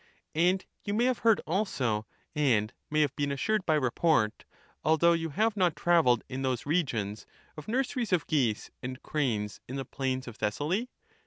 And you may have heard also, and may have been assured by report, although you have not travelled in those regions, of nurseries of geese and cranes in the plains of Thessaly